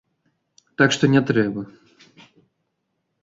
Так што не трэба.